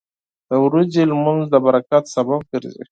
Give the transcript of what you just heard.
• د ورځې لمونځ د برکت سبب ګرځي.